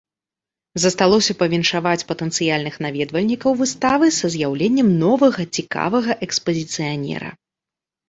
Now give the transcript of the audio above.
Засталося павіншаваць патэнцыйных наведвальнікаў выставы са з'яўленнем новага цікавага экспазіцыянера.